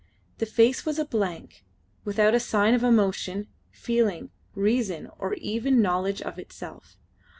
The face was a blank, without a sign of emotion, feeling, reason, or even knowledge of itself.